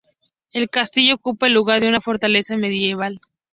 El castillo ocupa el lugar de una fortaleza medieval.